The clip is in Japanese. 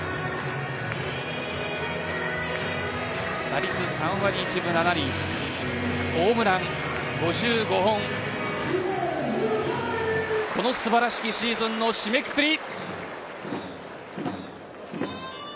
打率３割１分７厘ホームラン５５本この素晴らしきシーズンの締めくくり。